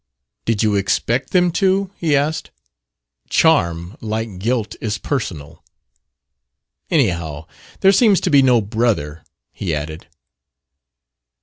"Did you expect them to?" he asked. "Charm, like guilt, is personal. Anyhow, there seems to be no brother," he added.